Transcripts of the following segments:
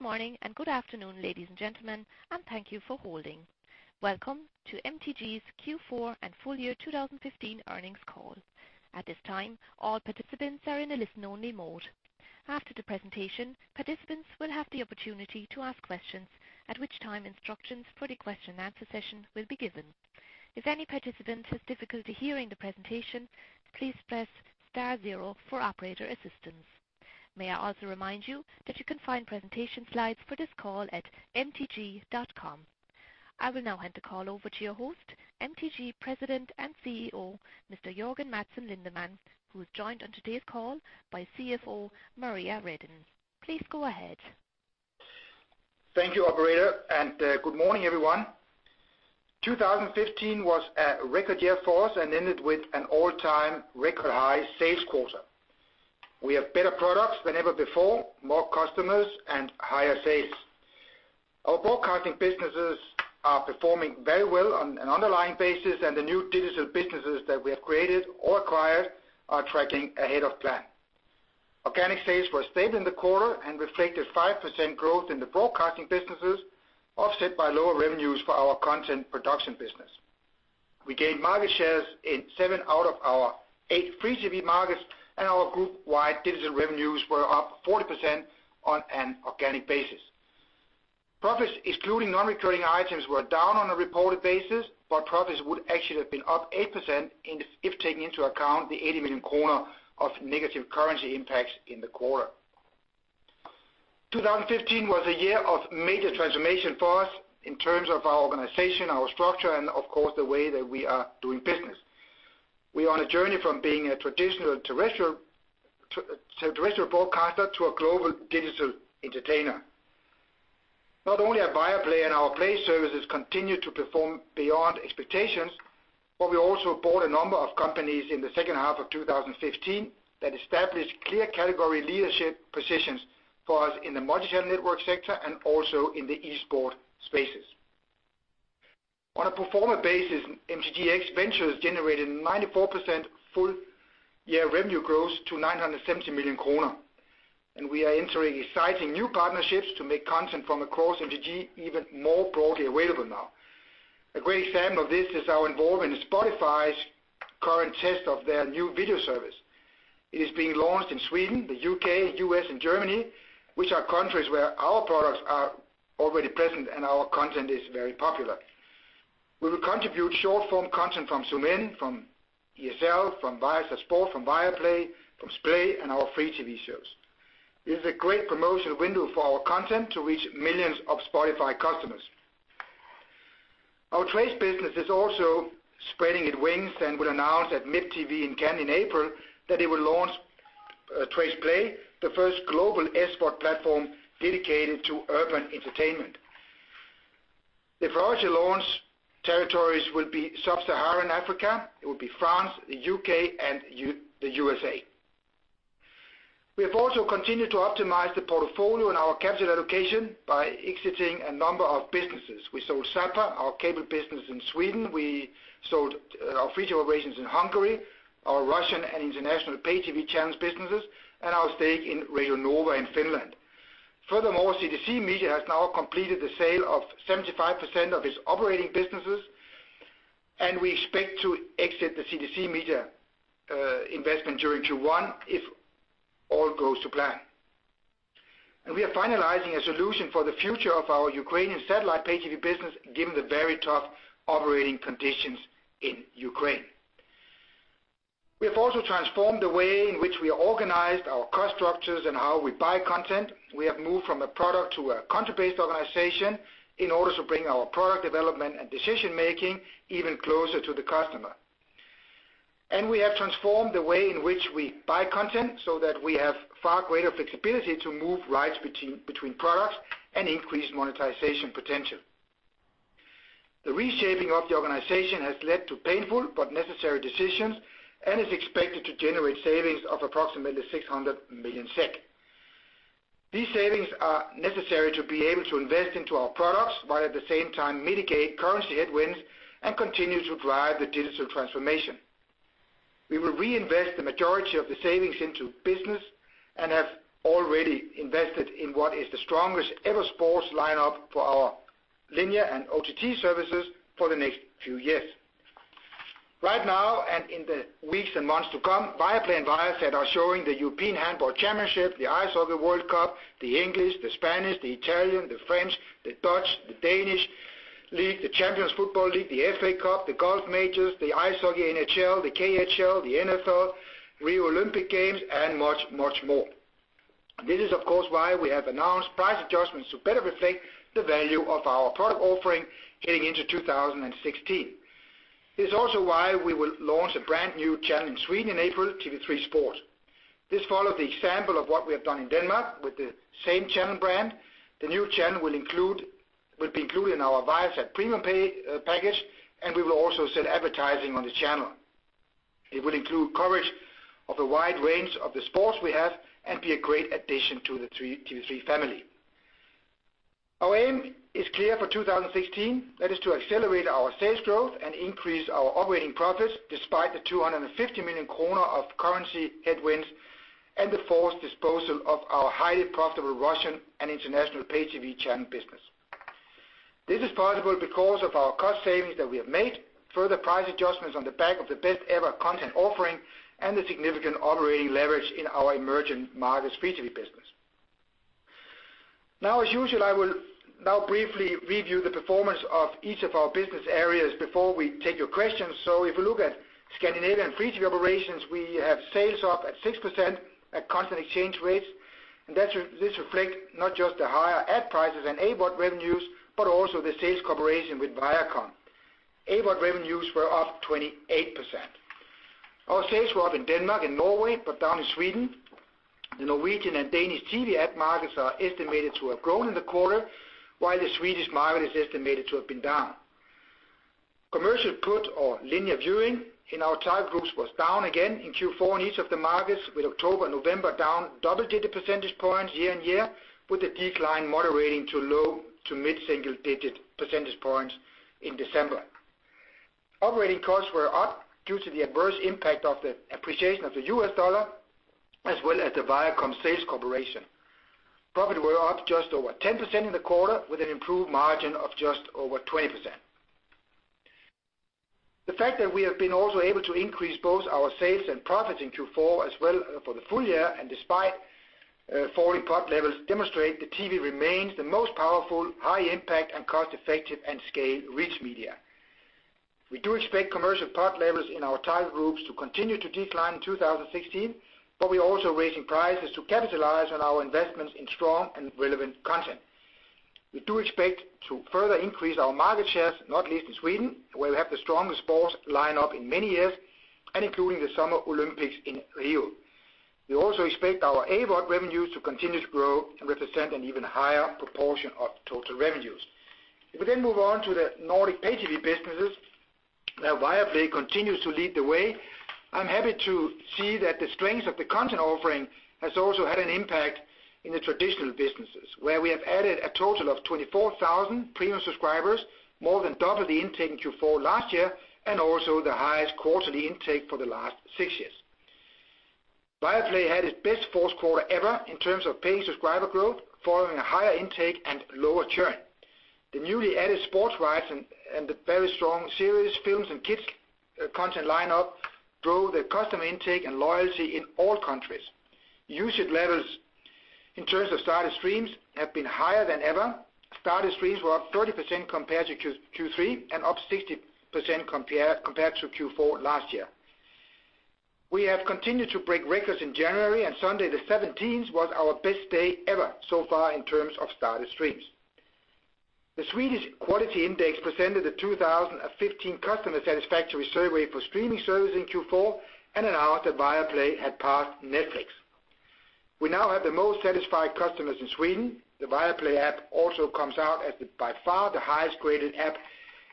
Good morning and good afternoon, ladies and gentlemen. Thank you for holding. Welcome to MTG's Q4 and full year 2015 earnings call. At this time, all participants are in a listen-only mode. After the presentation, participants will have the opportunity to ask questions, at which time instructions for the question and answer session will be given. If any participant has difficulty hearing the presentation, please press star zero for operator assistance. May I also remind you that you can find presentation slides for this call at mtg.com. I will now hand the call over to your host, MTG President and CEO, Mr. Jørgen Madsen Lindemann, who is joined on today's call by CFO Maria Redin. Please go ahead. Thank you, operator. Good morning, everyone. 2015 was a record year for us. It ended with an all-time record high sales quarter. We have better products than ever before, more customers, and higher sales. Our broadcasting businesses are performing very well on an underlying basis. The new digital businesses that we have created or acquired are tracking ahead of plan. Organic sales were stable in the quarter. They reflected 5% growth in the broadcasting businesses, offset by lower revenues for our content production business. We gained market shares in seven out of our eight free-to-view markets. Our group-wide digital revenues were up 40% on an organic basis. Profits excluding non-recurring items were down on a reported basis. Profits would actually have been up 8% if taking into account the 80 million kronor of negative currency impacts in the quarter. 2015 was a year of major transformation for us in terms of our organization, our structure, and of course, the way that we are doing business. We are on a journey from being a traditional terrestrial broadcaster to a global digital entertainer. Not only have Viaplay and our play services continued to perform beyond expectations. We also bought a number of companies in the second half of 2015 that established clear category leadership positions for us in the multi-channel network sector and also in the esports spaces. On a pro forma basis, MTGx Ventures generated 94% full year revenue growth to 970 million kronor. We are entering exciting new partnerships to make content from across MTG even more broadly available now. A great example of this is our involvement in Spotify's current test of their new video service. It is being launched in Sweden, the U.K., U.S., and Germany, which are countries where our products are already present. Our content is very popular. We will contribute short-form content from Zoomin.TV, from ESL, from Viasat Sport, from Viaplay, from Play, and our free TV shows. This is a great promotional window for our content to reach millions of Spotify customers. Our Trace business is also spreading its wings. It will announce at MIPTV in Cannes in April that it will launch Trace Play, the first global esport platform dedicated to urban entertainment. The priority launch territories will be sub-Saharan Africa, it will be France, the U.K., and the U.S.A. We have also continued to optimize the portfolio and our capital allocation by exiting a number of businesses. We sold SAPA, our cable business in Sweden. We sold our free TV operations in Hungary, our Russian and international pay TV channels businesses, and our stake in Radio Nova in Finland. Furthermore, CTC Media has now completed the sale of 75% of its operating businesses, and we expect to exit the CTC Media investment during Q1 if all goes to plan. We are finalizing a solution for the future of our Ukrainian satellite pay TV business, given the very tough operating conditions in Ukraine. We have also transformed the way in which we organized our cost structures and how we buy content. We have moved from a product to a content-based organization in order to bring our product development and decision-making even closer to the customer. We have transformed the way in which we buy content so that we have far greater flexibility to move rights between products and increase monetization potential. The reshaping of the organization has led to painful but necessary decisions and is expected to generate savings of approximately 600 million SEK. These savings are necessary to be able to invest into our products, while at the same time mitigate currency headwinds and continue to drive the digital transformation. We will reinvest the majority of the savings into business and have already invested in what is the strongest-ever sports lineup for our linear and OTT services for the next few years. Right now and in the weeks and months to come, Viaplay and Viasat are showing the European Handball Championship, the World Cup of Hockey, the Premier League, the La Liga, the Serie A, the French, the Dutch, the Danish League, the UEFA Champions League, the FA Cup, the golf majors, the ice hockey NHL, the KHL, the NFL, Rio Olympic Games, and much, much more. This is, of course, why we have announced price adjustments to better reflect the value of our product offering getting into 2016. This is also why we will launch a brand new channel in Sweden in April, TV3 Sport. This follows the example of what we have done in Denmark with the same channel brand. The new channel will be included in our Viasat premium package, and we will also sell advertising on the channel. It will include coverage of a wide range of the sports we have and be a great addition to the TV3 family. Our aim is clear for 2016. That is to accelerate our sales growth and increase our operating profits despite the 250 million kronor of currency headwinds and the forced disposal of our highly profitable Russian and international pay TV channel business. This is possible because of our cost savings that we have made, further price adjustments on the back of the best ever content offering, and the significant operating leverage in our emerging markets free TV business. As usual, I will now briefly review the performance of each of our business areas before we take your questions. If you look at Scandinavian free TV operations, we have sales up at 6% at constant exchange rates, and this reflects not just the higher ad prices and AVOD revenues, but also the sales cooperation with Viacom. AVOD revenues were up 28%. Our sales were up in Denmark and Norway, but down in Sweden. The Norwegian and Danish TV ad markets are estimated to have grown in the quarter, while the Swedish market is estimated to have been down. Commercial PUT, or linear viewing, in our target groups was down again in Q4 in each of the markets, with October and November down double-digit percentage points year-on-year, with the decline moderating to low to mid-single-digit percentage points in December. Operating costs were up due to the adverse impact of the appreciation of the U.S. dollar, as well as the Viacom sales cooperation. Profit were up just over 10% in the quarter, with an improved margin of just over 20%. The fact that we have been also able to increase both our sales and profit in Q4 as well for the full year and despite falling PUT levels, demonstrate that TV remains the most powerful, high-impact, and cost-effective and scale rich media. We do expect commercial PUT levels in our target groups to continue to decline in 2016, we're also raising prices to capitalize on our investments in strong and relevant content. We do expect to further increase our market shares, not least in Sweden, where we have the strongest sports lineup in many years and including the Summer Olympics in Rio. We also expect our AVOD revenues to continue to grow and represent an even higher proportion of total revenues. We then move on to the Nordic pay TV businesses, Viaplay continues to lead the way. I'm happy to see that the strength of the content offering has also had an impact in the traditional businesses, where we have added a total of 24,000 premium subscribers, more than double the intake in Q4 last year, and also the highest quarterly intake for the last six years. Viaplay had its best fourth quarter ever in terms of paying subscriber growth, following a higher intake and lower churn. The newly added sports rights and the very strong series, films, and kids content lineup drove the customer intake and loyalty in all countries. Usage levels in terms of started streams have been higher than ever. Started streams were up 30% compared to Q3 and up 60% compared to Q4 last year. We have continued to break records in January, Sunday the 17th was our best day ever so far in terms of started streams. The Svenskt Kvalitetsindex presented the 2015 customer satisfactory survey for streaming service in Q4 and announced that Viaplay had passed Netflix. We now have the most satisfied customers in Sweden. The Viaplay app also comes out as by far the highest graded app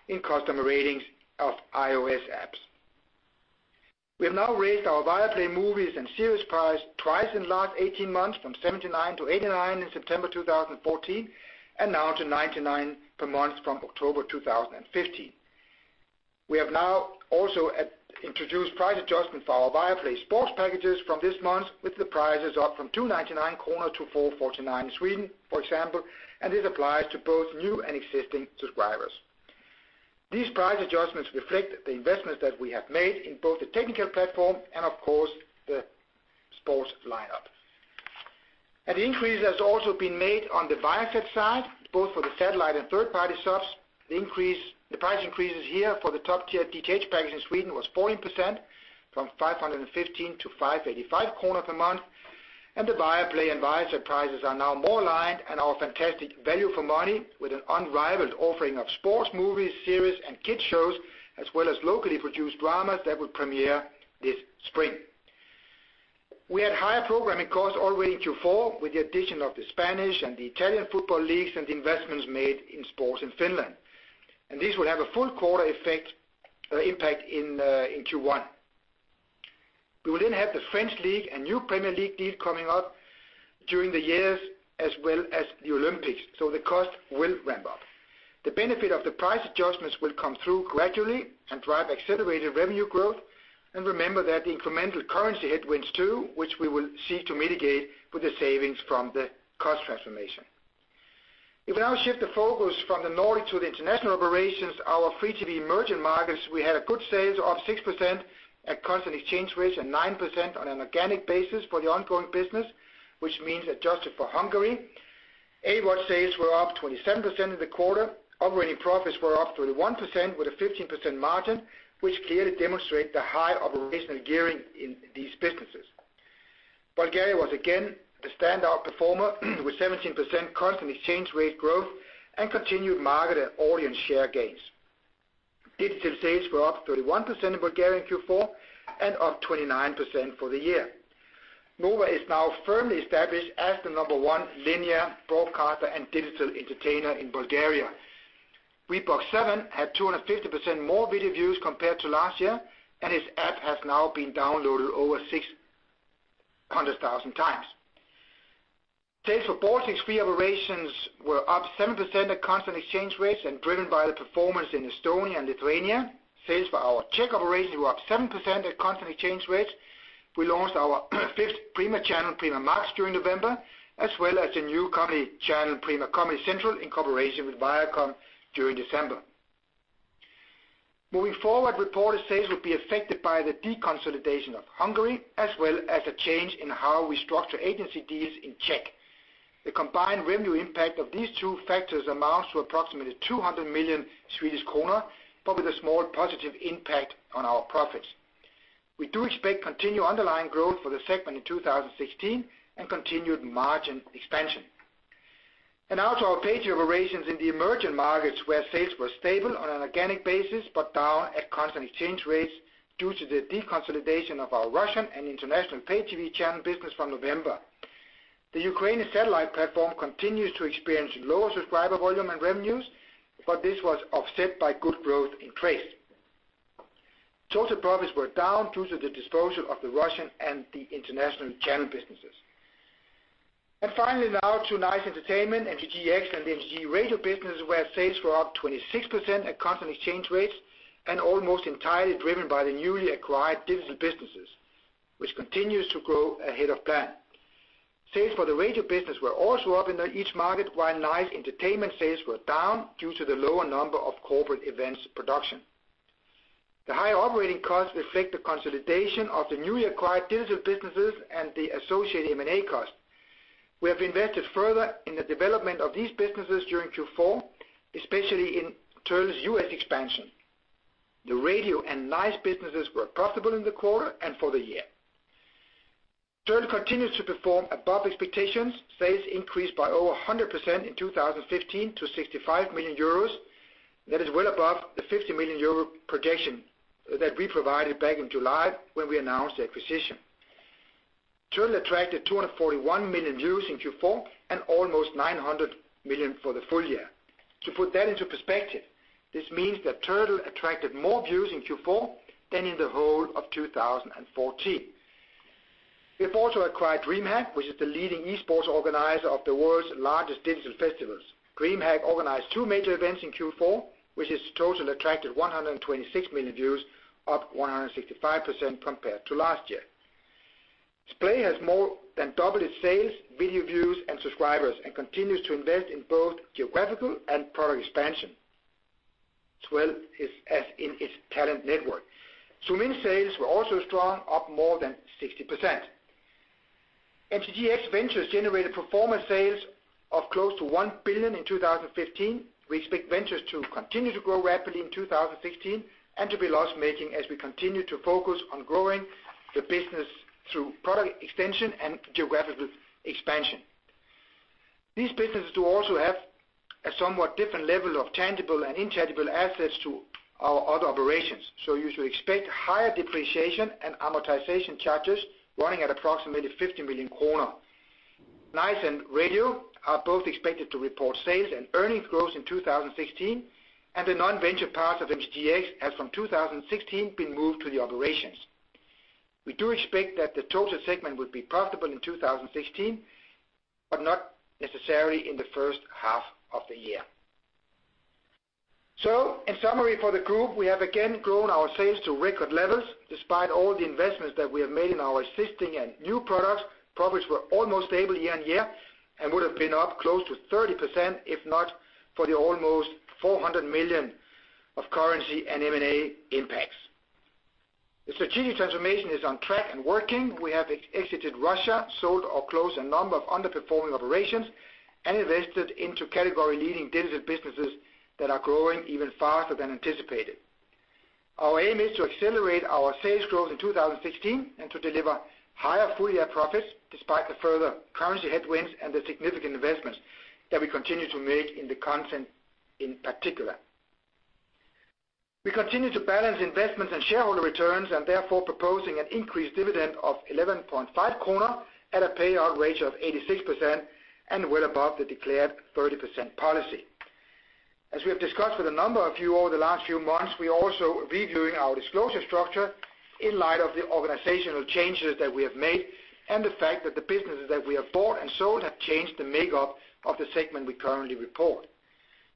in customer ratings of iOS apps. We have now raised our Viaplay movies and series price twice in the last 18 months, from 79 to 89 in September 2014, and now to 99 per month from October 2015. We have now also introduced price adjustment for our Viaplay sports packages from this month, with the prices up from 299 kronor to 449 in Sweden, for example, This applies to both new and existing subscribers. These price adjustments reflect the investments that we have made in both the technical platform and, of course, the sports lineup. An increase has also been made on the Viasat side, both for the satellite and third-party subs. The price increases here for the top tier DTH package in Sweden was 14%, from 515 to 535 kronor per month, and the Viaplay and Viasat prices are now more aligned and are fantastic value for money, with an unrivaled offering of sports, movies, series, and kids shows, as well as locally produced dramas that will premiere this spring. We had higher programming costs already in Q4 with the addition of the Spanish and the Italian football leagues and the investments made in sports in Finland. This will have a full quarter effect impact in Q1. We will then have the French League and new Premier League deal coming up during the years as well as the Olympics, so the cost will ramp up. The benefit of the price adjustments will come through gradually and drive accelerated revenue growth, and remember that the incremental currency headwinds too, which we will seek to mitigate with the savings from the cost transformation. If we now shift the focus from the Nordic to the international operations, our free TV emerging markets, we had a good sales of 6% at constant exchange rates and 9% on an organic basis for the ongoing business, which means adjusted for Hungary. AVOD sales were up 27% in the quarter. Operating profits were up 21% with a 15% margin, which clearly demonstrate the high operational gearing in these businesses. Bulgaria was again the standout performer, with 17% constant exchange rate growth and continued market and audience share gains. Digital sales were up 31% in Bulgaria in Q4 and up 29% for the year. Nova is now firmly established as the number one linear broadcaster and digital entertainer in Bulgaria. Vbox7 had 250% more video views compared to last year, and its app has now been downloaded over 6,100,000 times. Sales for Baltics free operations were up 7% at constant exchange rates and driven by the performance in Estonia and Lithuania. Sales for our Czech operation were up 7% at constant exchange rates. We launched our fifth Prima channel, Prima Max, during November, as well as the new comedy channel, Prima Comedy Central, in cooperation with Viacom during December. Moving forward, reported sales will be affected by the deconsolidation of Hungary, as well as a change in how we structure agency deals in Czech. The combined revenue impact of these two factors amounts to approximately 200 million Swedish kronor, but with a small positive impact on our profits. We do expect continued underlying growth for the segment in 2016 and continued margin expansion. Now to our pay TV operations in the emerging markets where sales were stable on an organic basis, but down at constant exchange rates due to the deconsolidation of our Russian and international pay TV channel business from November. The Ukrainian satellite platform continues to experience lower subscriber volume and revenues, but this was offset by good growth in Trace. Total profits were down due to the disposal of the Russian and the international channel businesses. Finally now to Nice Entertainment Group, MTGx and the MTG Radio business, where sales were up 26% at constant exchange rates and almost entirely driven by the newly acquired digital businesses, which continues to grow ahead of plan. Sales for the radio business were also up in each market, while Nice Entertainment sales were down due to the lower number of corporate events production. The higher operating costs affect the consolidation of the newly acquired digital businesses and the associated M&A costs. We have invested further in the development of these businesses during Q4, especially in Turtle's U.S. expansion. The radio and Nice Entertainment businesses were profitable in the quarter and for the year. Turtle continues to perform above expectations. Sales increased by over 100% in 2015 to 65 million euros. That is well above the 50 million euro projection that we provided back in July when we announced the acquisition. Turtle attracted 241 million views in Q4 and almost 900 million for the full year. To put that into perspective, this means that Turtle attracted more views in Q4 than in the whole of 2014. We've also acquired DreamHack, which is the leading esports organizer of the world's largest digital festivals. DreamHack organized two major events in Q4, which has total attracted 126 million views, up 165% compared to last year. Splay has more than doubled its sales, video views, and subscribers and continues to invest in both geographical and product expansion, as well as in its talent network. Zoomin.TV sales were also strong, up more than 60%. MTGx Ventures generated performance sales of close to 1 billion in 2015. We expect Ventures to continue to grow rapidly in 2016 and to be loss-making as we continue to focus on growing the business through product expansion and geographical expansion. These businesses do also have a somewhat different level of tangible and intangible assets to our other operations, so you should expect higher depreciation and amortization charges running at approximately 50 million kronor. Nice Entertainment and Radio are both expected to report sales and earnings growth in 2016, and the non-venture parts of MTGx have from 2016 been moved to the operations. We do expect that the total segment will be profitable in 2016, but not necessarily in the first half of the year. In summary for the group, we have again grown our sales to record levels despite all the investments that we have made in our existing and new products. Profits were almost stable year-on-year and would have been up close to 30%, if not for the almost 400 million of currency and M&A impacts. The strategic transformation is on track and working. We have exited Russia, sold or closed a number of underperforming operations, and invested into category-leading digital businesses that are growing even faster than anticipated. Our aim is to accelerate our sales growth in 2016 and to deliver higher full-year profits despite the further currency headwinds and the significant investments that we continue to make in the content in particular. We continue to balance investments and shareholder returns and therefore proposing an increased dividend of 11.5 kronor at a payout ratio of 86% and well above the declared 30% policy. As we have discussed with a number of you over the last few months, we are also reviewing our disclosure structure in light of the organizational changes that we have made and the fact that the businesses that we have bought and sold have changed the makeup of the segment we currently report.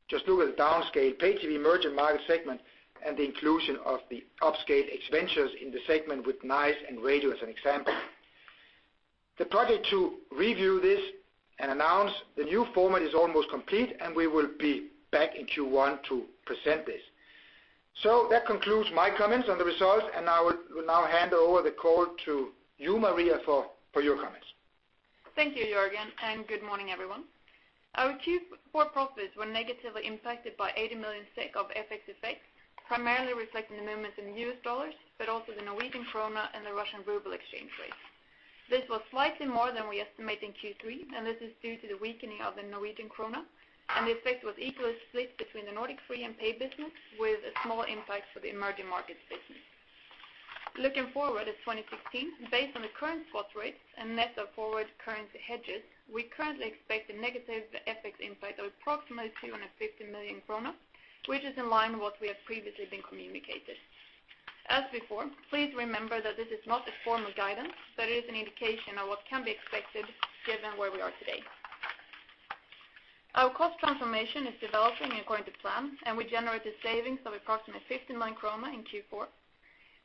Just look at the downscale pay TV emerging market segment and the inclusion of the upscale expansion in the segment with Nice Entertainment and Radio as an example. The project to review this and announce the new format is almost complete, and we will be back in Q1 to present this. That concludes my comments on the results, and I will now hand over the call to you, Maria, for your comments. Thank you, Jørgen, and good morning, everyone. Our Q4 profits were negatively impacted by 80 million SEK of FX effects, primarily reflecting the movements in US dollars, but also the Norwegian krona and the Russian ruble exchange rate. This was slightly more than we estimate in Q3. This is due to the weakening of the Norwegian krona. The effect was equally split between the Nordic free and pay business with a small impact for the emerging markets business. Looking forward at 2016, based on the current spot rates and net of forward currency hedges, we currently expect a negative FX impact of approximately 250 million kronor. This is in line with what we have previously been communicating. As before, please remember that this is not a form of guidance, but it is an indication of what can be expected given where we are today. Our cost transformation is developing according to plan. We generated savings of approximately 15 million krona in Q4.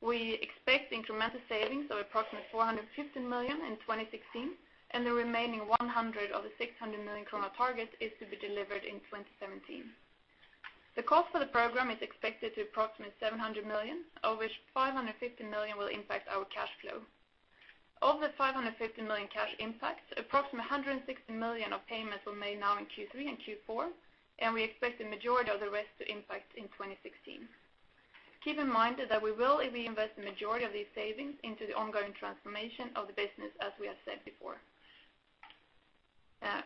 We expect incremental savings of approximately 450 million in 2016. The remaining 100 of the 600 million krona target is to be delivered in 2017. The cost for the program is expected to approximately 700 million, of which 550 million will impact our cash flow. Of the 550 million cash impact, approximately 160 million of payments were made now in Q3 and Q4. We expect the majority of the rest to impact in 2016. Keep in mind that we will reinvest the majority of these savings into the ongoing transformation of the business, as we have said before.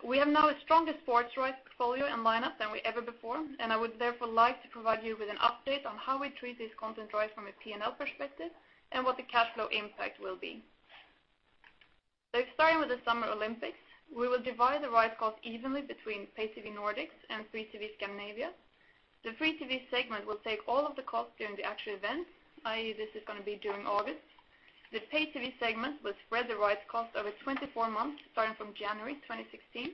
We have now a stronger sports rights portfolio and lineup than we ever before. I would therefore like to provide you with an update on how we treat these content rights from a P&L perspective and what the cash flow impact will be. Starting with the Summer Olympics, we will divide the rights cost evenly between pay TV Nordics and free TV Scandinavia. The free TV segment will take all of the costs during the actual event, i.e., this is going to be during August. The pay TV segment will spread the rights cost over 24 months, starting from January 2016.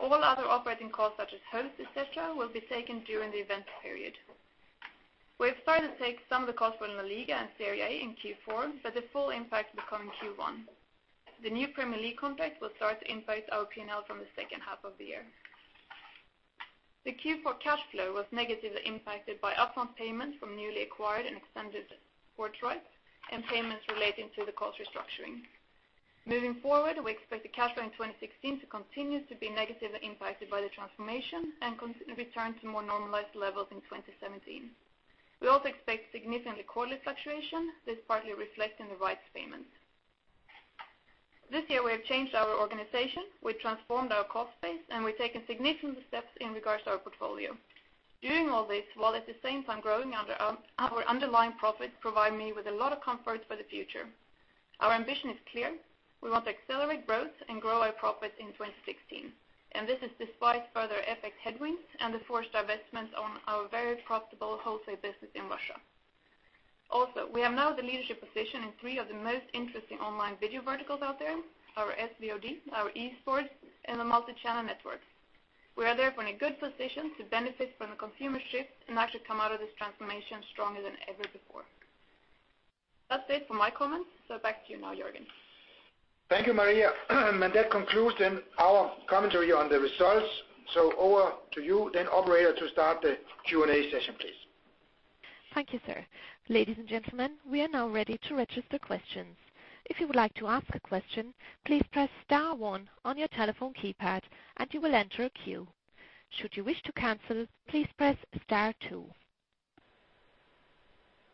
All other operating costs, such as host, et cetera, will be taken during the event period. We have started to take some of the costs for LaLiga and Serie A in Q4. The full impact will come in Q1. The new Premier League contract will start to impact our P&L from the second half of the year. The Q4 cash flow was negatively impacted by upfront payments from newly acquired and extended sports rights and payments relating to the cost restructuring. Moving forward, we expect the cash flow in 2016 to continue to be negatively impacted by the transformation and return to more normalized levels in 2017. We also expect significant quarterly fluctuation. This partly reflects in the rights payments. This year, we have changed our organization, we transformed our cost base, and we have taken significant steps in regards to our portfolio. Doing all this while at the same time growing our underlying profit provides me with a lot of comfort for the future. Our ambition is clear. We want to accelerate growth and grow our profit in 2016. This is despite further FX headwinds and the forced divestment on our very profitable wholesale business in Russia. We have now the leadership position in three of the most interesting online video verticals out there, our SVOD, our esports, and the multichannel networks. We are therefore in a good position to benefit from the consumer shift and actually come out of this transformation stronger than ever before. That is it for my comments. Back to you now, Jørgen. Thank you, Maria. That concludes then our commentary on the results. Over to you then, operator, to start the Q&A session, please. Thank you, sir. Ladies and gentlemen, we are now ready to register questions. If you would like to ask a question, please press star one on your telephone keypad, and you will enter a queue. Should you wish to cancel, please press star two.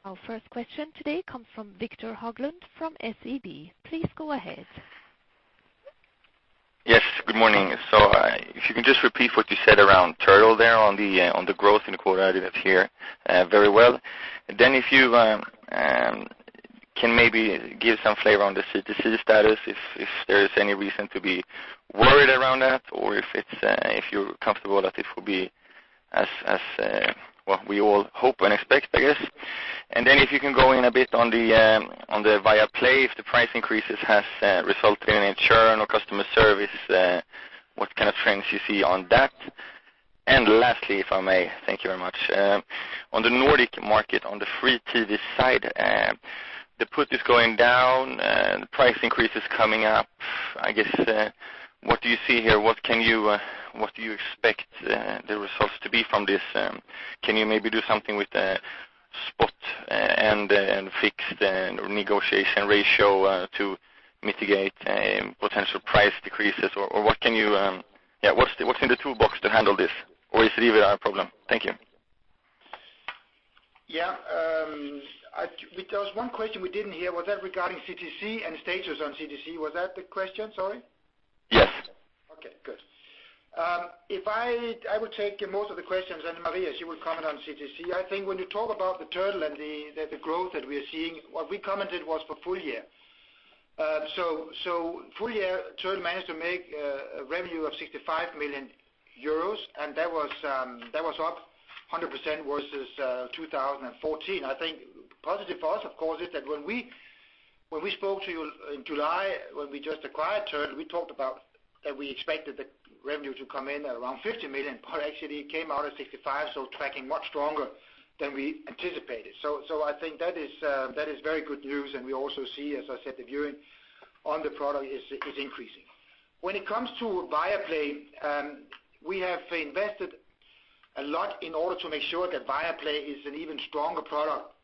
Our first question today comes from Viktor Höglund from SEB. Please go ahead. Yes, good morning. If you can just repeat what you said around Turtle Entertainment there on the growth in the quarter. I didn't hear very well. If you can maybe give some flavor on the CTC Media status, if there's any reason to be worried around that, or if you're comfortable that it will be as what we all hope and expect, I guess. If you can go in a bit on the Viaplay, if the price increases has resulted in a churn or customer service, what kind of trends you see on that. Lastly, if I may, thank you very much. On the Nordic market, on the free-to-air side, the PUT is going down, the price increase is coming up. What do you see here? What do you expect the results to be from this? Can you maybe do something with the spot and fixed negotiation ratio to mitigate potential price decreases? What's in the toolbox to handle this? Is it even a problem? Thank you. There was one question we didn't hear. Was that regarding CTC Media and stages on CTC Media? Was that the question? Sorry. Yes. Good. I would take most of the questions, Maria Redin, she will comment on CTC Media. When you talk about the Turtle Entertainment and the growth that we are seeing, what we commented was for full year. Full year, Turtle Entertainment managed to make a revenue of 65 million euros, and that was up 100% versus 2014. Positive for us, of course, is that when we spoke to you in July, when we just acquired Turtle Entertainment, we talked about that we expected the revenue to come in at around 50 million, but actually it came out at 65, tracking much stronger than we anticipated. That is very good news, and we also see, as I said, the viewing on the product is increasing. When it comes to Viaplay, we have invested a lot in order to make sure that Viaplay is an even stronger product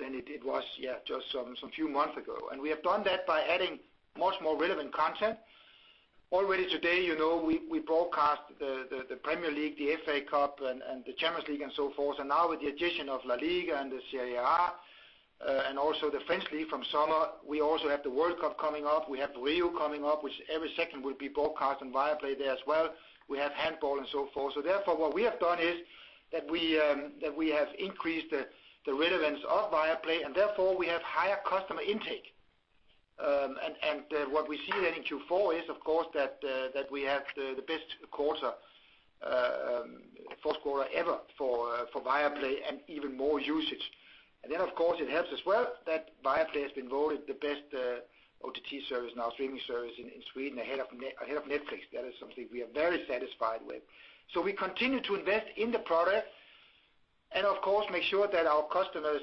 than it was just some few months ago. We have done that by adding much more relevant content. Already today, we broadcast the Premier League, the FA Cup, and the UEFA Champions League, and so forth. Now with the addition of La Liga and the Serie A and also the French League from summer. We also have the World Cup coming up. We have the Rio coming up, which every second will be broadcast on Viaplay there as well. We have handball and so forth. Therefore, what we have done is that we have increased the relevance of Viaplay, and therefore we have higher customer intake. What we see then in Q4 is, of course, that we have the best fourth quarter ever for Viaplay and even more usage. Then, of course, it helps as well that Viaplay has been voted the best OTT service, now streaming service, in Sweden ahead of Netflix. That is something we are very satisfied with. We continue to invest in the product and, of course, make sure that our customers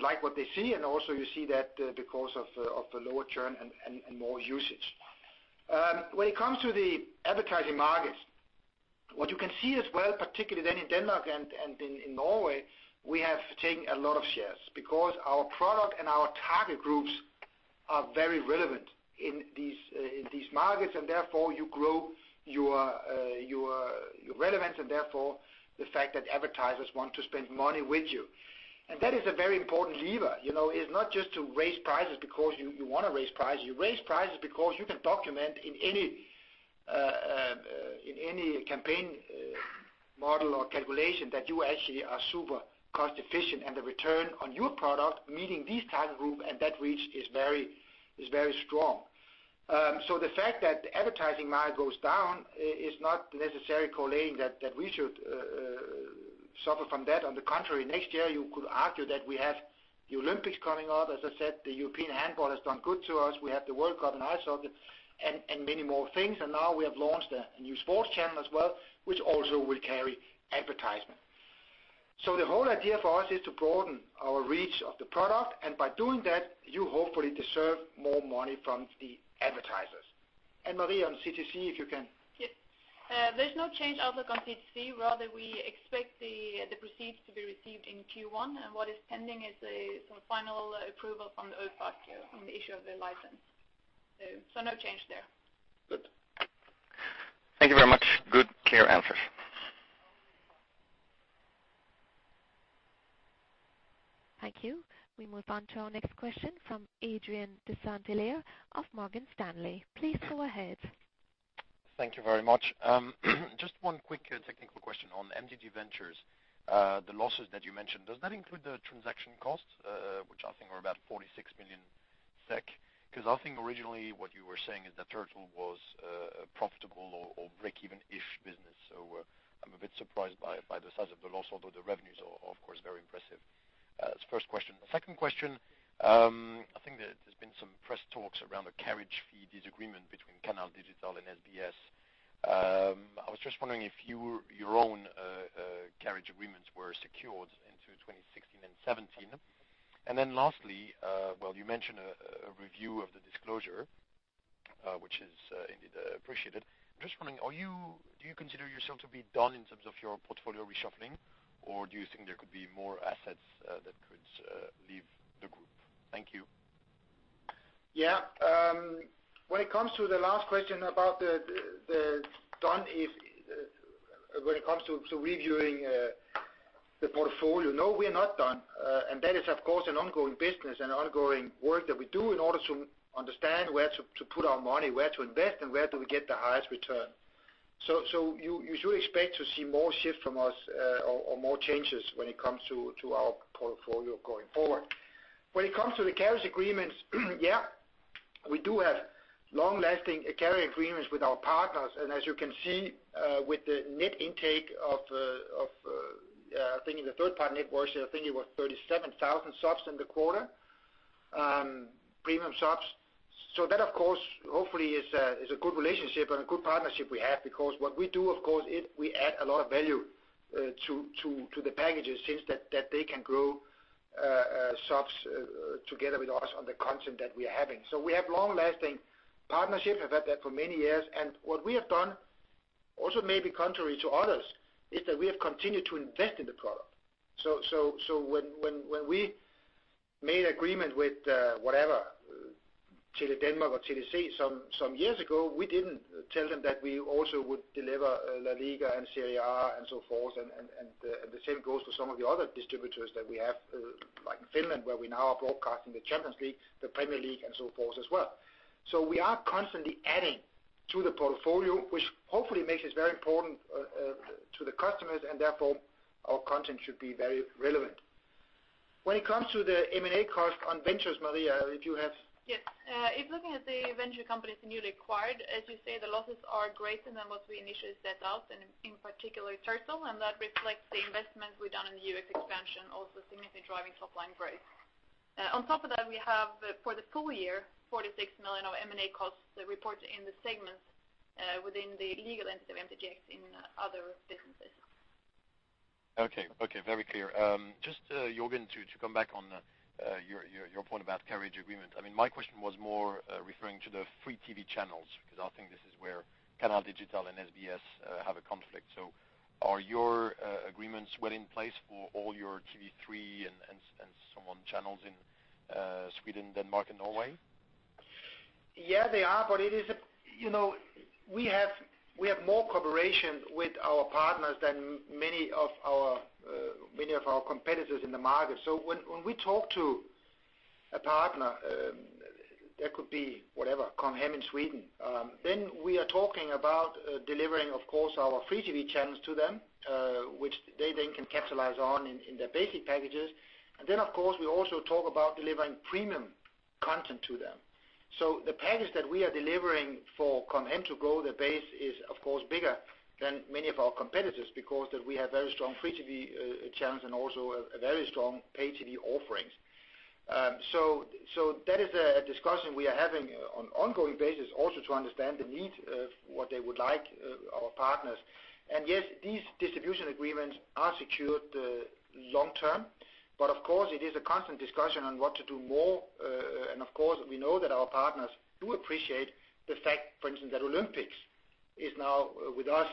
like what they see, and also you see that because of the lower churn and more usage. When it comes to the advertising market, what you can see as well, particularly then in Denmark and in Norway, we have taken a lot of shares because our product and our target groups are very relevant in these markets and therefore you grow your relevance and therefore the fact that advertisers want to spend money with you. That is a very important lever. It's not just to raise prices because you want to raise prices. You raise prices because you can document in any campaign model or calculation that you actually are super cost efficient and the return on your product, meeting this target group and that reach is very strong. The fact that the advertising market goes down is not necessarily correlating that we should suffer from that. On the contrary, next year, you could argue that we have the Olympics coming up. As I said, the European Handball has done good to us. We have the World Cup in ice hockey and many more things. Now we have launched a new sports channel as well, which also will carry advertisement. The whole idea for us is to broaden our reach of the product, and by doing that, you hopefully deserve more money from the advertisers and Maria, on CTC, if you can. Yes. There is no change outlook on CTC. Rather, we expect the proceeds to be received in Q1. What is pending is some final approval from the [inaudible] on the issue of the license. No change there. Good. Thank you very much. Good clear answers. Thank you. We move on to our next question from Adrien de Saint Hilaire of Morgan Stanley. Please go ahead. Thank you very much. Just one quick technical question on MTG Ventures. The losses that you mentioned, does that include the transaction costs, which I think were about 46 million SEK? Originally what you were saying is that Turtle was a profitable or breakeven-ish business. I am a bit surprised by the size of the loss. Although the revenues are, of course, very impressive. That is the first question. The second question, I think there has been some press talks around the carriage fee disagreement between Canal Digital and SBS. I was just wondering if your own carriage agreements were secured into 2016 and 2017. Lastly, well, you mentioned a review of the disclosure, which is indeed appreciated. I'm just wondering, do you consider yourself to be done in terms of your portfolio reshuffling, or do you think there could be more assets that could leave the group? Thank you. Yeah. When it comes to the last question about the done, when it comes to reviewing the portfolio, no, we're not done. That is, of course, an ongoing business and ongoing work that we do in order to understand where to put our money, where to invest, and where do we get the highest return. You should expect to see more shifts from us or more changes when it comes to our portfolio going forward. When it comes to the carriage agreements, yeah, we do have long-lasting carriage agreements with our partners, and as you can see with the net intake of, I think in the third quarter net was, I think it was 37,000 subs in the quarter, premium subs. That, of course, hopefully is a good relationship and a good partnership we have because what we do, of course, is we add a lot of value to the packages since that they can grow subs together with us on the content that we are having. We have long-lasting partnership. We've had that for many years. What we have done also maybe contrary to others, is that we have continued to invest in the product. When we made agreement with whatever, Tele Danmark or Com Hem some years ago, we didn't tell them that we also would deliver LaLiga and Serie A and so forth. The same goes to some of the other distributors that we have, like in Finland where we now are broadcasting the Champions League, the Premier League and so forth as well. We are constantly adding to the portfolio, which hopefully makes us very important to the customers and therefore our content should be very relevant. When it comes to the M&A cost on Ventures, Maria, if you have. Yes. If looking at the venture companies newly acquired, as you say, the losses are greater than what we initially set out and in particular, Turtle, and that reflects the investments we've done in the U.S. expansion, also significantly driving top-line growth. On top of that, we have for the full year, 46 million of M&A costs reported in the segments within the legal entity of MTGx in other businesses. Okay. Very clear. Just, Jørgen, to come back on your point about carriage agreement. My question was more referring to the free TV channels because I think this is where Canal Digital and SBS have a conflict. Are your agreements well in place for all your TV3 and some on channels in Sweden, Denmark and Norway? Yeah, they are, but we have more cooperation with our partners than many of our competitors in the market. When we talk to a partner That could be whatever, Com Hem in Sweden. We are talking about delivering, of course, our free TV channels to them, which they then can capitalize on in their basic packages. Of course, we also talk about delivering premium content to them. The package that we are delivering for Com Hem to go to base is, of course, bigger than many of our competitors, because we have very strong free TV channels and also very strong pay TV offerings. That is a discussion we are having on ongoing basis also to understand the need of what they would like our partners. Yes, these distribution agreements are secured long-term, but of course, it is a constant discussion on what to do more. Of course, we know that our partners do appreciate the fact, for instance, that Olympics is now with us,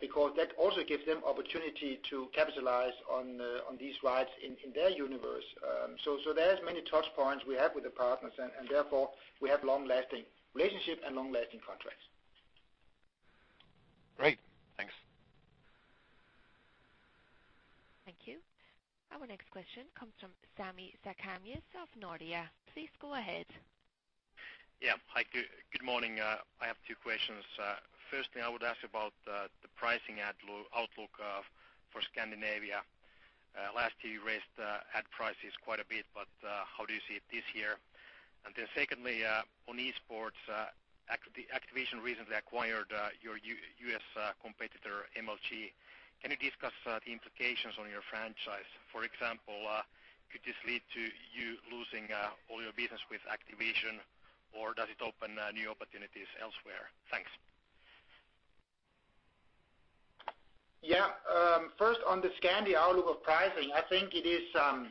because that also gives them opportunity to capitalize on these rights in their universe. There is many touch points we have with the partners, therefore we have long-lasting relationships and long-lasting contracts. Great. Thanks. Thank you. Our next question comes from Sami Sarkamies of Nordea. Please go ahead. Hi, good morning. I have two questions. Firstly, I would ask about the pricing outlook for Scandinavia. Last year, you raised ad prices quite a bit, how do you see it this year? Secondly, on esports, Activision recently acquired your U.S. competitor, MLG. Can you discuss the implications on your franchise? For example, could this lead to you losing all your business with Activision, does it open new opportunities elsewhere? Thanks. First on the Scandi outlook of pricing, I think it is a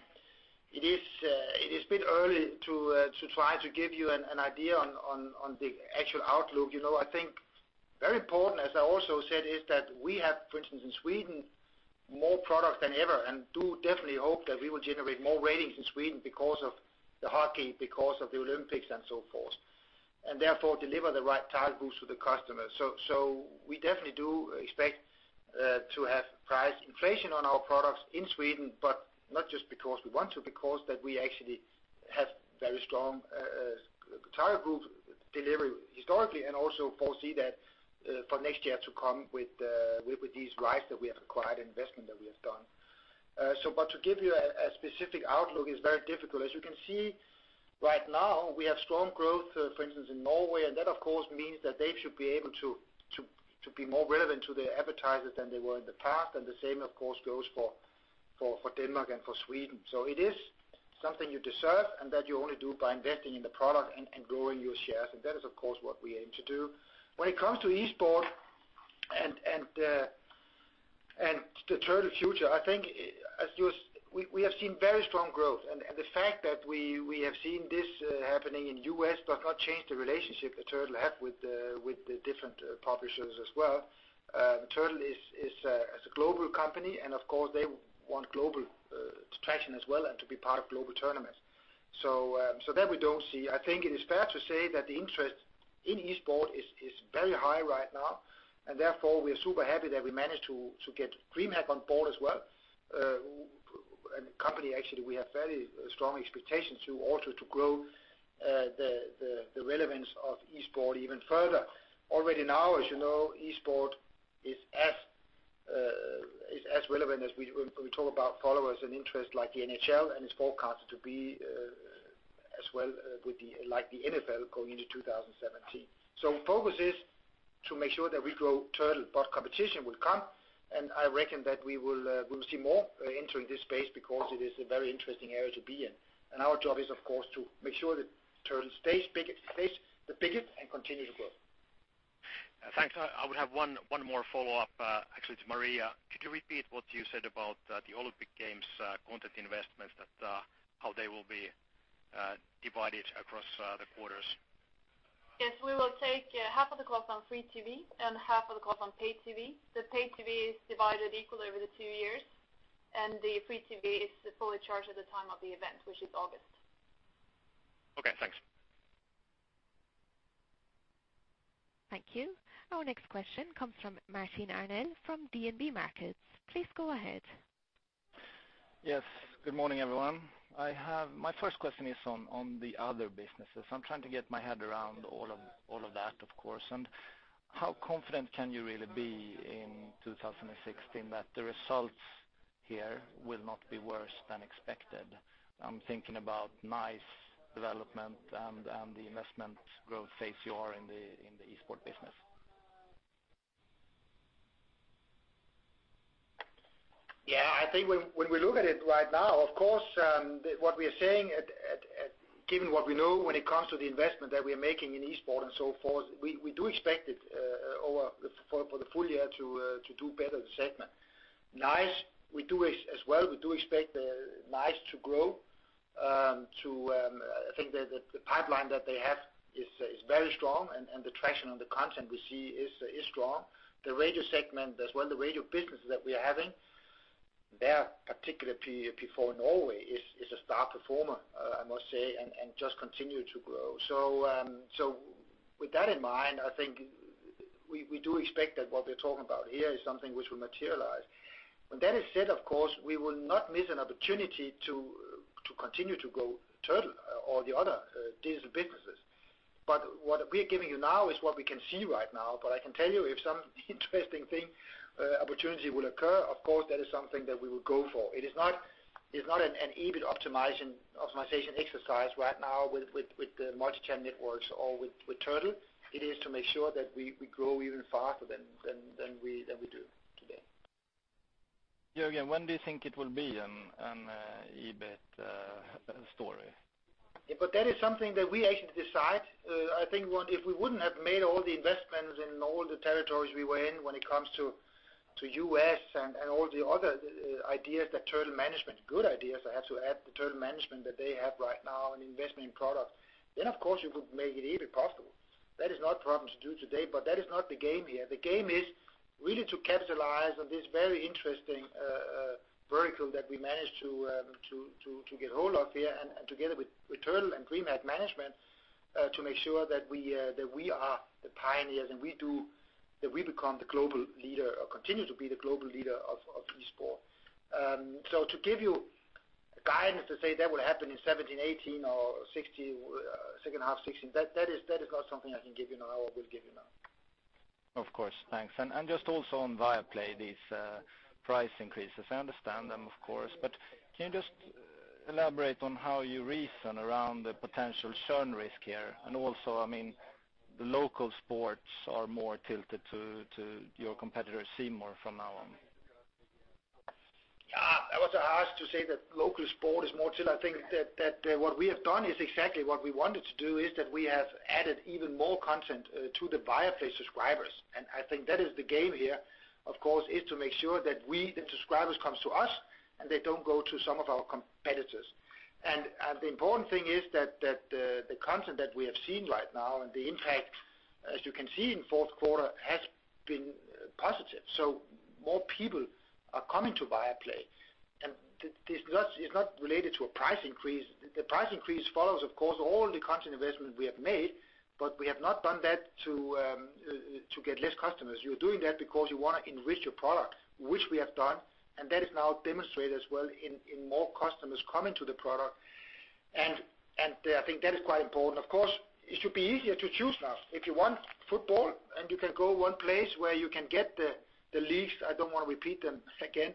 bit early to try to give you an idea on the actual outlook. I think very important, as I also said, is that we have, for instance, in Sweden, more product than ever and do definitely hope that we will generate more ratings in Sweden because of the hockey, because of the Olympics and so forth. Therefore deliver the right target boost to the customer. We definitely do expect to have price inflation on our products in Sweden, not just because we want to, because we actually have very strong target group delivery historically and also foresee that for next year to come with these rights that we have acquired, investment that we have done. To give you a specific outlook is very difficult. As you can see right now, we have strong growth, for instance, in Norway, that of course means that they should be able to be more relevant to their advertisers than they were in the past. The same, of course, goes for Denmark and for Sweden. It is something you deserve and that you only do by investing in the product and growing your shares. That is, of course, what we aim to do. When it comes to esports and to Turtle, I think we have seen very strong growth. The fact that we have seen this happening in the U.S. does not change the relationship that Turtle have with the different publishers as well. Turtle is a global company, of course they want global traction as well and to be part of global tournaments. That we don't see. I think it is fair to say that the interest in esports is very high right now, therefore we are super happy that we managed to get DreamHack on board as well. The company actually, we have fairly strong expectations to also to grow the relevance of esports even further. Already now, as you know, esports is as relevant as we talk about followers and interest like the NHL, it's forecasted to be as well with like the NFL going into 2017. Focus is to make sure that we grow Turtle, but competition will come, I reckon that we will see more entering this space because it is a very interesting area to be in. Our job is, of course, to make sure that Turtle stays the biggest and continue to grow. Thanks. I would have one more follow-up actually to Maria. Could you repeat what you said about the Olympic Games content investments, how they will be divided across the quarters? Yes, we will take half of the cost on free TV and half of the cost on paid TV. The paid TV is divided equally over the two years, the free TV is fully charged at the time of the event, which is August. Okay, thanks. Thank you. Our next question comes from Martin Arnell from DNB Markets. Please go ahead. Yes. Good morning, everyone. My first question is on the other businesses. I am trying to get my head around all of that, of course. How confident can you really be in 2016 that the results here will not be worse than expected? I am thinking about Nice development and the investment growth phase you are in the esports business. I think when we look at it right now, of course, what we are saying, given what we know when it comes to the investment that we are making in esports and so forth, we do expect it for the full year to do better the segment. Nice, we do as well. We do expect Nice to grow. I think that the pipeline that they have is very strong, and the traction on the content we see is strong. The radio segment as well, the radio businesses that we are having, their particular P4 Norway is a star performer, I must say, and just continue to grow. With that in mind, I think we do expect that what we are talking about here is something which will materialize. When that is said, of course, we will not miss an opportunity to continue to grow Turtle or the other digital businesses. What we're giving you now is what we can see right now, but I can tell you if some interesting thing, opportunity will occur, of course, that is something that we would go for. It is not an EBIT optimization exercise right now with the Multichannel Networks or with Turtle. It is to make sure that we grow even faster than we do today. Jørgen, when do you think it will be an EBIT story? That is something that we actually decide. I think if we wouldn't have made all the investments in all the territories we were in when it comes to U.S. and all the other ideas that Turtle management, good ideas, I have to add, the Turtle management that they have right now in investment in product, then of course you could make it even possible. That is not problem to do today, but that is not the game here. The game is really to capitalize on this very interesting vertical that we managed to get hold of here and together with Turtle and [ViaMed] management, to make sure that we are the pioneers and that we become the global leader or continue to be the global leader of esports. To give you guidance to say that will happen in 2017, 2018 or second half 2016, that is not something I can give you now or will give you now. Of course. Thanks. Just also on Viaplay, these price increases. I understand them, of course, but can you just elaborate on how you reason around the potential churn risk here? Also, the local sports are more tilted to your competitor C More from now on. I was asked to say that local sport is more tilted. I think that what we have done is exactly what we wanted to do, is that we have added even more content to the Viaplay subscribers. I think that is the game here, of course, is to make sure that the subscribers comes to us and they don't go to some of our competitors. The important thing is that the content that we have seen right now and the impact, as you can see in fourth quarter, has been positive. More people are coming to Viaplay. This is not related to a price increase. The price increase follows, of course, all the content investment we have made, but we have not done that to get less customers. You're doing that because you want to enrich your product, which we have done, and that is now demonstrated as well in more customers coming to the product. I think that is quite important. Of course, it should be easier to choose now. If you want football and you can go one place where you can get the leagues, I don't want to repeat them again.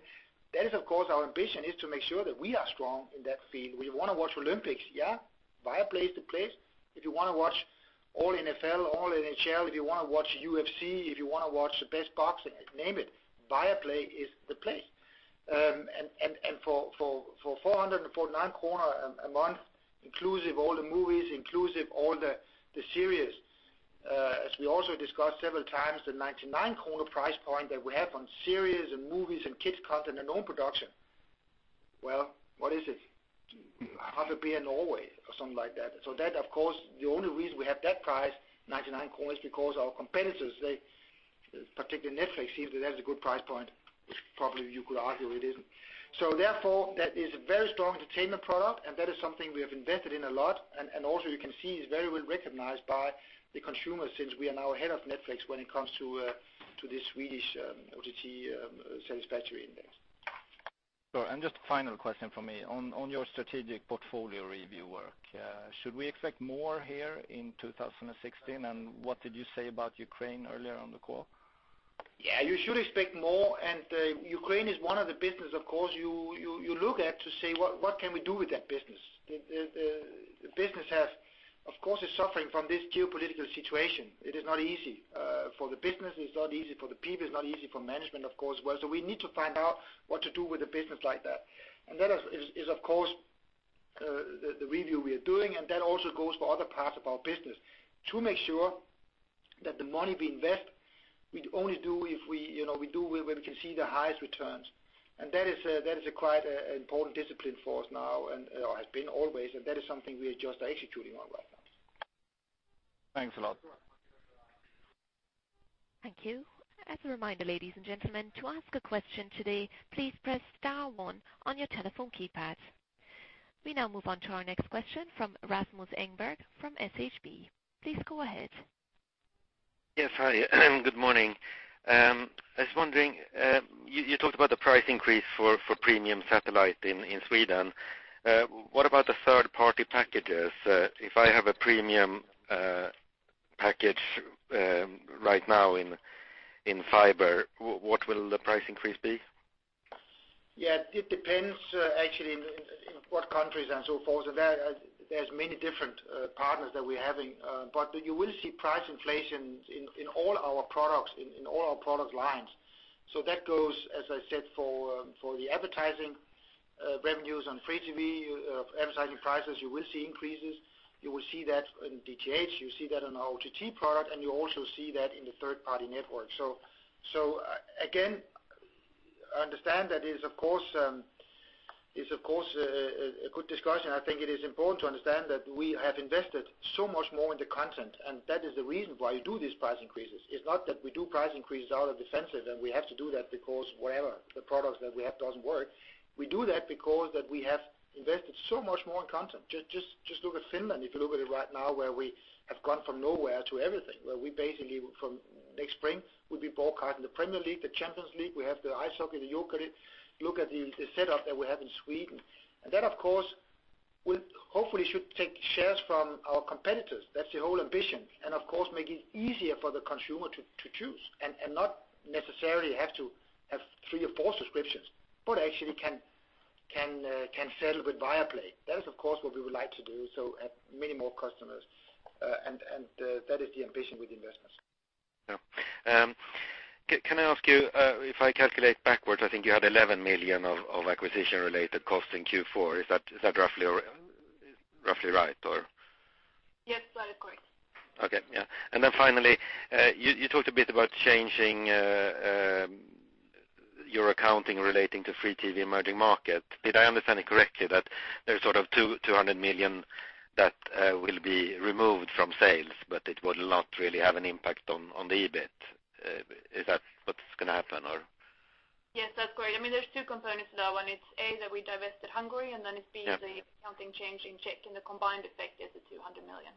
That is, of course, our ambition is to make sure that we are strong in that field. We want to watch Olympics, yeah, Viaplay is the place. If you want to watch all NFL, all NHL, if you want to watch UFC, if you want to watch the best boxing, name it, Viaplay is the place. For 449 kronor a month, inclusive all the movies, inclusive all the series. As we also discussed several times, the 99 kronor price point that we have on series and movies and kids content and own production. Well, what is it? Half a beer in Norway or something like that. That, of course, the only reason we have that price, 99, is because our competitors, they, particularly Netflix, seem to think that is a good price point, which probably you could argue it isn't. Therefore, that is a very strong entertainment product, and that is something we have invested in a lot. Also you can see is very well recognized by the consumer since we are now ahead of Netflix when it comes to the Swedish OTT satisfactory index. Sure. Just final question from me. On your strategic portfolio review work, should we expect more here in 2016? What did you say about Ukraine earlier on the call? Yeah, you should expect more, Ukraine is one of the business, of course, you look at to say, "What can we do with that business?" The business, of course, is suffering from this geopolitical situation. It is not easy. For the business, it's not easy. For the people, it's not easy. For management, of course, as well. We need to find out what to do with a business like that. That is, of course, the review we are doing, that also goes for other parts of our business to make sure that the money we invest, we only do where we can see the highest returns. That is a quite important discipline for us now and has been always, that is something we just are executing on right now. Thanks a lot. Thank you. As a reminder, ladies and gentlemen, to ask a question today, please press star one on your telephone keypad. We now move on to our next question from Rasmus Engberg from SHB. Please go ahead. Yeah. Hi. Good morning. I was wondering, you talked about the price increase for premium satellite in Sweden. What about the third-party packages? If I have a premium package right now in fiber, what will the price increase be? Yeah. It depends actually in what countries and so forth. There's many different partners that we're having. You will see price inflation in all our products, in all our product lines. That goes, as I said, for the advertising revenues on free TV, advertising prices, you will see increases. You will see that in DTH, you see that on our OTT product, and you also see that in the third-party network. Again, understand that is, of course Is of course a good discussion. I think it is important to understand that we have invested so much more into content, and that is the reason why we do these price increases. It's not that we do price increases out of defensive, and we have to do that because the products that we have doesn't work. We do that because we have invested so much more in content. Just look at Finland, if you look at it right now, where we have gone from nowhere to everything. Where we basically from next spring will be broadcasting the Premier League, the Champions League. We have the ice hockey, the Jokerit. Look at the setup that we have in Sweden. That of course, will hopefully should take shares from our competitors. That's the whole ambition. Of course, make it easier for the consumer to choose, and not necessarily have to have three or four subscriptions, but actually can settle with Viaplay. That is, of course, what we would like to do, so add many more customers. That is the ambition with the investments. Yeah. Can I ask you, if I calculate backwards, I think you had 11 million of acquisition-related costs in Q4. Is that roughly right, or? Yes, that is correct. Okay. Yeah. Finally, you talked a bit about changing your accounting relating to free TV emerging market. Did I understand it correctly that there's sort of 200 million that will be removed from sales, but it will not really have an impact on the EBIT. Is that what's going to happen, or? Yes, that's correct. There's two components to that one. It's A, that we divested Hungary, it's B. Yeah The accounting change in Czech and the combined effect is the 200 million.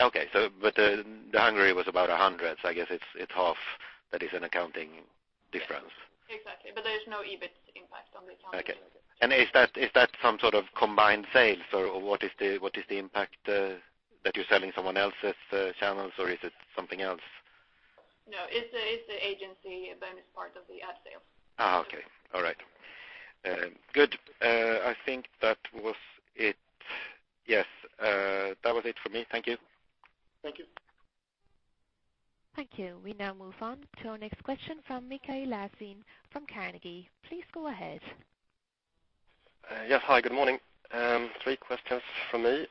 Okay. The Hungary was about 100. I guess it's half that is an accounting difference. Exactly. There's no EBIT impact on the accounting. Okay. Is that some sort of combined sales, or what is the impact that you're selling someone else's channels, or is it something else? No, it's the agency business part of the ad sale. Okay. All right. Good. I think that was it. Yes. That was it for me. Thank you. Thank you. Thank you. We now move on to our next question from Mikael Lasén from Carnegie. Please go ahead. Yes. Hi, good morning. Three questions from me.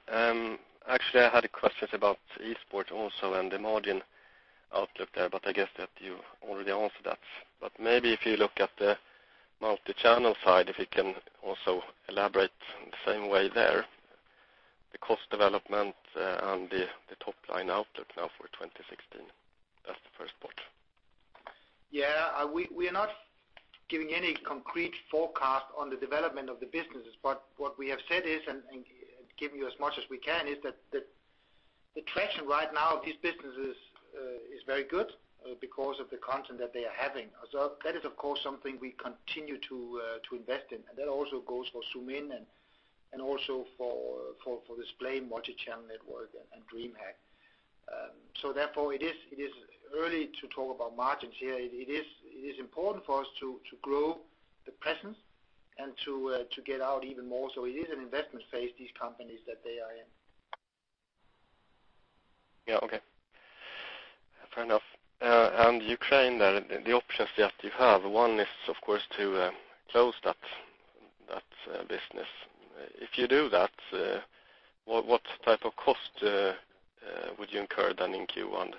Actually, I had questions about esports also and the margin outlook there, I guess that you already answered that. Maybe if you look at the multi-channel side, if you can also elaborate in the same way there, the cost development and the top-line outlook now for 2016. That's the first part. Yeah. We are not giving any concrete forecast on the development of the businesses. What we have said is, and giving you as much as we can, is that the traction right now of these businesses is very good because of the content that they are having. That is, of course, something we continue to invest in. That also goes for Zoomin.TV and also for Splay Multichannel Networks and DreamHack. Therefore, it is early to talk about margins here. It is important for us to grow the presence and to get out even more. It is an investment phase, these companies that they are in. Yeah. Okay. Fair enough. Ukraine there, the options that you have, one is, of course, to close that business. If you do that, what type of cost would you incur then in Q1?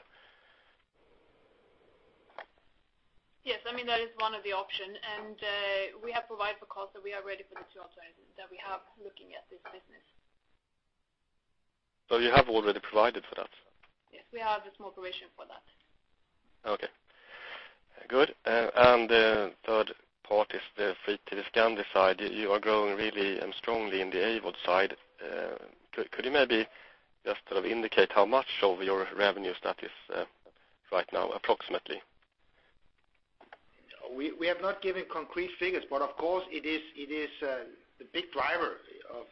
Yes, that is one of the option. We have provided for costs that we are ready for the two alternatives that we have looking at this business. You have already provided for that? Yes. We have a small provision for that. Okay. Good. The third part is the free TV Scandi side. You are growing really strongly in the AVOD side. Could you maybe just sort of indicate how much of your revenue that is right now, approximately? We have not given concrete figures, but of course it is the big driver of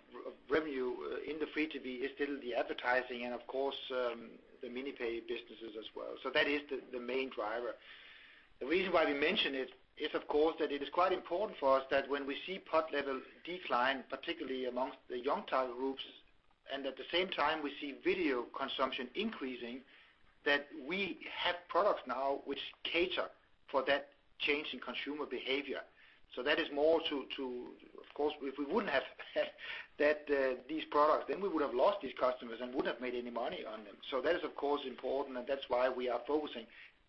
revenue in the free TV is still the advertising and, of course, the mini-pay businesses as well. That is the main driver. The reason why we mention it is, of course, that it is quite important for us that when we see PUT level decline, particularly amongst the young title groups, and at the same time, we see video consumption increasing, that we have products now which cater for that change in consumer behavior. That is more to, of course, if we wouldn't have these products, then we would have lost these customers and wouldn't have made any money on them. That is, of course, important, and that's why we are focusing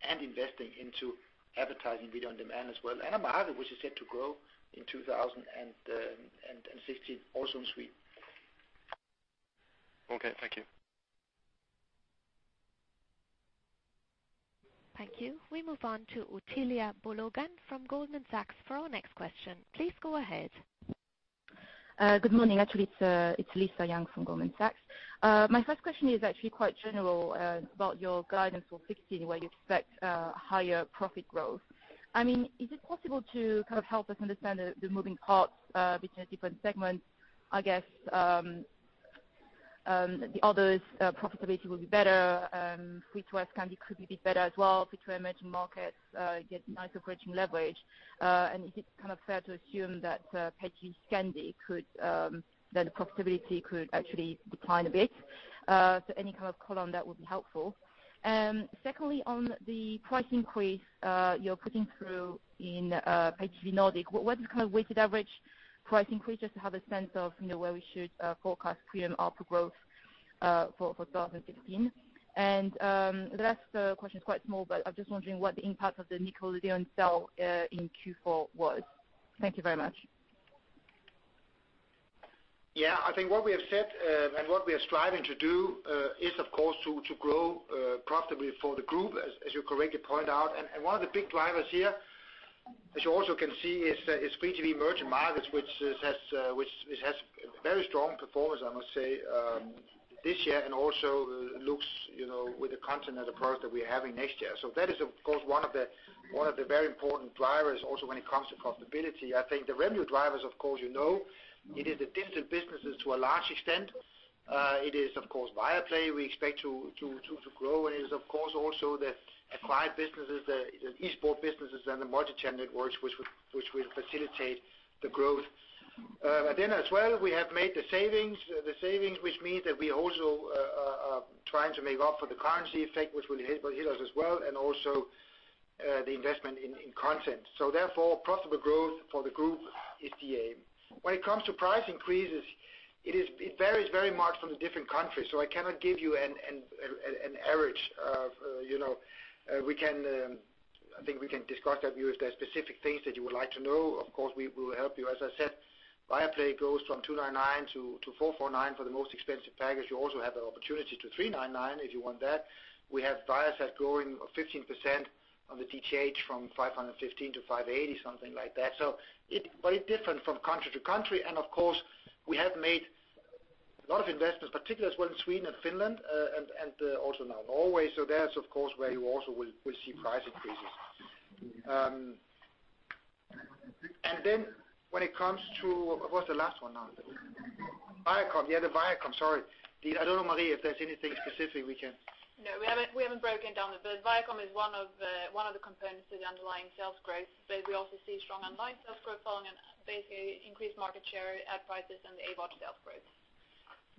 and investing into advertising video on demand as well. Viagame, which is set to grow in 2016 also in Sweden. Okay. Thank you. Thank you. We move on to Ottilia Bologan from Goldman Sachs for our next question. Please go ahead. Good morning. Actually, it's Lisa Yang from Goldman Sachs. My first question is actually quite general about your guidance for 2016, where you expect higher profit growth. Is it possible to kind of help us understand the moving parts between the different segments? I guess the others' profitability will be better. Free TV Scandi could be better as well. Free TV Emerging Markets get nice operating leverage. Is it kind of fair to assume that Pay TV Scandi, the profitability could actually decline a bit? Any kind of color on that would be helpful. Secondly, on the price increase you're putting through in Pay TV Nordic, what is kind of weighted average price increase just to have a sense of where we should forecast premium ARPU growth for 2016. The last question is quite small, but I'm just wondering what the impact of the Nickelodeon sale in Q4 was. Thank you very much. I think what we have said and what we are striving to do is, of course, to grow profitably for the group, as you correctly point out. One of the big drivers here, as you also can see, is free-to-view emerging markets, which has very strong performance, I must say, this year and also looks with the content and the product that we're having next year. That is, of course, one of the very important drivers also when it comes to profitability. I think the revenue drivers, of course, you know, it is the digital businesses to a large extent. It is, of course, Viaplay we expect to grow, and it is, of course, also the acquired businesses, the esport businesses, and the Multichannel Networks which will facilitate the growth. As well, we have made the savings, which means that we also are trying to make up for the currency effect, which will hit us as well, and also the investment in content. Profitable growth for the group is the aim. When it comes to price increases, it varies very much from the different countries, so I cannot give you an average. I think we can discuss that with you if there are specific things that you would like to know. Of course, we will help you. As I said, Viaplay goes from 299 to 449 for the most expensive package. You also have the opportunity to 399 if you want that. We have Viasat growing 15% on the DTH from 515 to 580, something like that. It's very different from country to country, and of course, we have made a lot of investments, particularly as well in Sweden and Finland, and also now Norway. That's of course where you also will see price increases. When it comes to, what's the last one now? Viacom. Yeah, the Viacom, sorry. I don't know, Maria, if there's anything specific we can No, we haven't broken down that, but Viacom is one of the components to the underlying sales growth, but we also see strong underlying sales growth following basically increased market share, ad prices and the AVOD sales growth.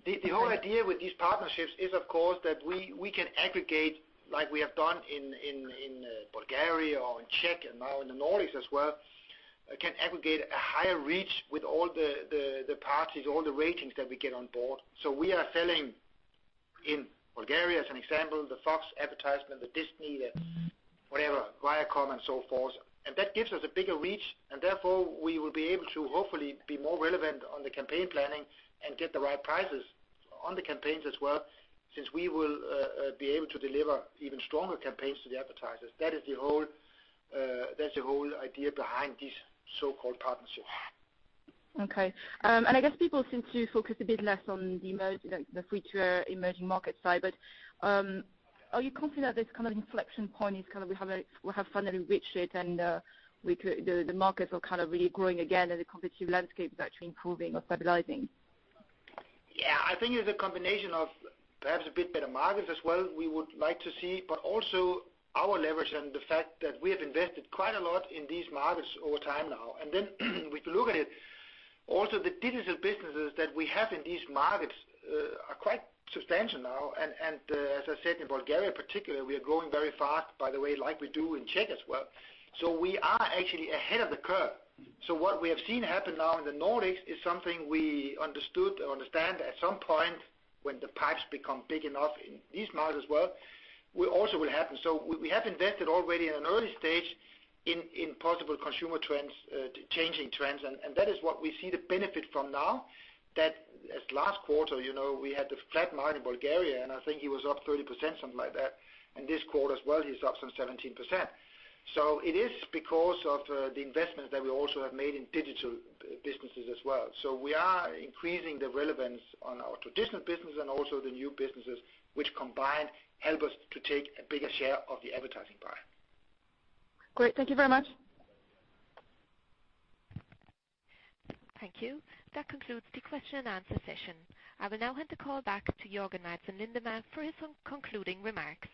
The whole idea with these partnerships is, of course, that we can aggregate like we have done in Bulgaria or in Czech and now in the Nordics as well, can aggregate a higher reach with all the parties, all the ratings that we get on board. We are selling in Bulgaria, as an example, the Fox advertisement, the Disney, and whatever, Viacom and so forth. That gives us a bigger reach, and therefore, we will be able to hopefully be more relevant on the campaign planning and get the right prices on the campaigns as well, since we will be able to deliver even stronger campaigns to the advertisers. That's the whole idea behind this so-called partnership. Okay. I guess people seem to focus a bit less on the free-to-air emerging market side, but are you confident that this kind of inflection point is kind of we have finally reached it, and the markets are kind of really growing again, and the competitive landscape is actually improving or stabilizing? Yeah, I think it's a combination of perhaps a bit better markets as well we would like to see, but also our leverage and the fact that we have invested quite a lot in these markets over time now. Then if you look at it, also the digital businesses that we have in these markets are quite substantial now. As I said, in Bulgaria particularly, we are growing very fast, by the way, like we do in Czech as well. We are actually ahead of the curve. What we have seen happen now in the Nordics is something we understood or understand at some point when the pipes become big enough in these markets as well, will also happen. We have invested already in an early stage in possible consumer trends, changing trends, and that is what we see the benefit from now that as last quarter, we had the flat line in Bulgaria. I think it was up 30%, something like that. This quarter as well, it is up some 17%. It is because of the investments that we also have made in digital businesses as well. We are increasing the relevance on our traditional business and also the new businesses, which combined help us to take a bigger share of the advertising pie. Great. Thank you very much. Thank you. That concludes the question and answer session. I will now hand the call back to Jørgen Madsen Lindemann for his concluding remarks.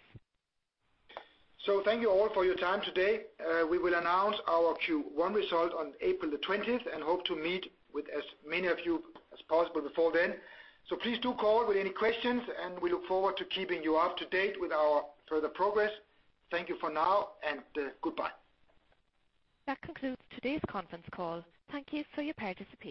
Thank you all for your time today. We will announce our Q1 result on April the 20th and hope to meet with as many of you as possible before then. Please do call with any questions, and we look forward to keeping you up to date with our further progress. Thank you for now, and goodbye. That concludes today's conference call. Thank you for your participation.